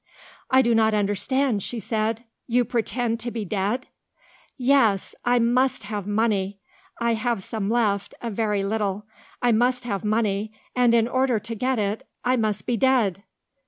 "I do not understand," she said. "You pretend to be dead?" "Yes. I must have money. I have some left a very little. I must have money; and, in order to get it, I must be dead."